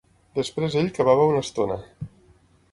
Després ell cavava una estona